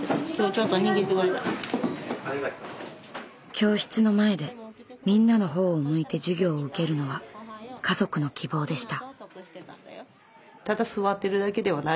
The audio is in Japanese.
教室の前でみんなのほうを向いて授業を受けるのは家族の希望でした。